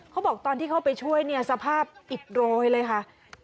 เขาบอกตอนที่เข้าไปช่วยเนี่ยสภาพอิดโรยเลยค่ะ